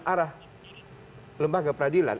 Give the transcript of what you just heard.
arah lembaga peradilan